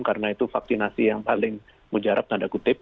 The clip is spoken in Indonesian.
karena itu vaksinasi yang paling menjarak tanda kutip